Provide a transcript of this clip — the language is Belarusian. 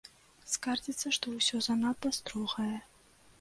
Скардзіцца, што ўсё занадта строгае.